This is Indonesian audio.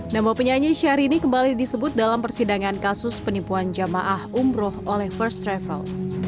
nama penyanyi syahrini kembali disebut dalam persidangan kasus penipuan jamaah umroh oleh first travel